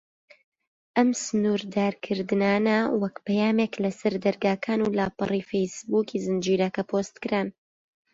ئەم سنوردارکردنانە وەک پەیامێک لە سەر دەرگاکان و لاپەڕەی فەیس بووکی زنجیرەکە پۆست کران.